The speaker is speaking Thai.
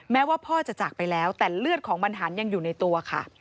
แม้ว่าพ่อจะจากไปแล้วแต่เลือดของบรรหารยังอยู่ในตัวค่ะ